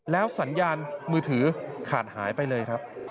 สัญญาณมือถือขาดหายไปเลยครับ